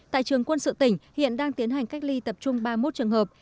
tại trường quân sự tỉnh hiện đang tiến hành cách ly tập trung ba mươi một trường hợp